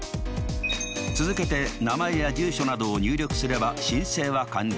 続けて名前や住所などを入力すれば申請は完了。